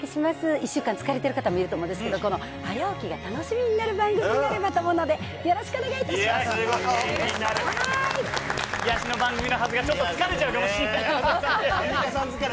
１週間疲れている方もいると思うんですけど、早起きが楽しみになる番組になればと思うので、よろしくお願いい癒やしの番組のはずが、ちょっと疲れちゃうかもしれない。